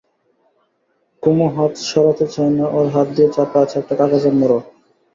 কুমু হাত সরাতে চায় না– ওর হাত দিয়ে চাপা আছে একটা কাগজের মোড়ক।